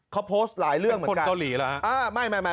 เขาโพสต์หลายเรื่องเหมือนกันเป็นคนเกาหลีหรอ